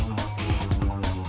gak ada apa apa